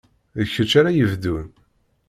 D kečč ara yebdun.